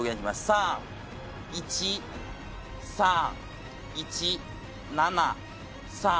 「３」「１」「３」「１」「７」「３」「８」。